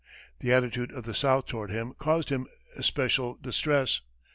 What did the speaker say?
The attitude of the South toward him caused him especial distress.